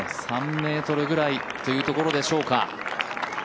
３ｍぐらいというところでしょうか。